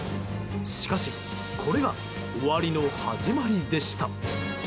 しかしこれが終わりの始まりでした。